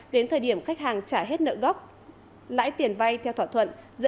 đến thời điểm khách hàng trả hết nợ gốc lãi tiền vai theo thỏa thuận giữa